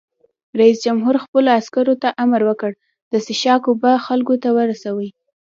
رئیس جمهور خپلو عسکرو ته امر وکړ؛ د څښاک اوبه خلکو ته ورسوئ!